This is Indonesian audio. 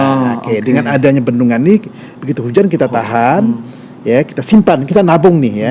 oke dengan adanya bendungan ini begitu hujan kita tahan ya kita simpan kita nabung nih ya